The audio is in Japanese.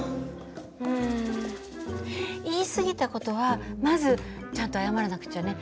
うん言い過ぎた事はまずちゃんと謝らなくちゃね。